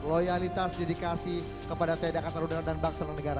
loyalitas dedikasi kepada tni angkatan udara dan bangsa dan negara